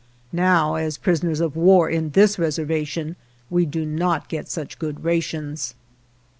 Now, as prisoners of war in this Reservation, we do not get such good rations.